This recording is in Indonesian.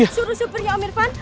suruh supirnya irfan